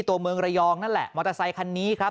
ตัวเมืองระยองนั่นแหละมอเตอร์ไซคันนี้ครับ